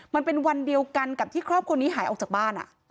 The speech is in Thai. มันเป็นวันเดียวกันกับที่ครอบครัวนี้หายออกจากบ้าน